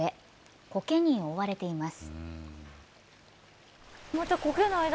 コケに覆われています。